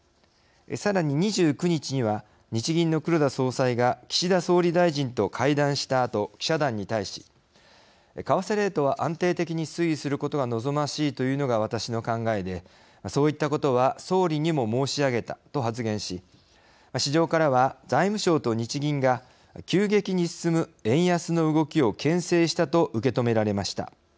さらに２９日には日銀の黒田総裁が岸田総理大臣と会談したあと記者団に対し「為替レートは安定的に推移することが望ましいというのが私の考えでそういったことは総理にも申し上げた」と発言し市場からは財務省と日銀が急激に進む円安の動きをけん制したと受け止められました。